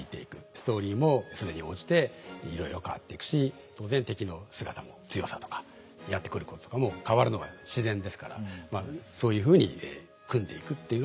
ストーリーもそれに応じていろいろ変わっていくし敵の姿も強さとかやってくることとかも変わるのが自然ですからまあそういうふうに組んでいくっていうのが